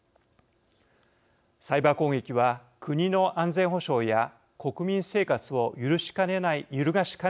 サイバー攻撃は国の安全保障や国民生活を揺るがしかねない脅威となっています。